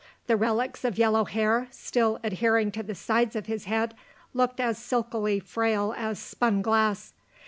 The relics of yellow hair, still adhering to the sides of his head, looked as silkily frail as spun glass.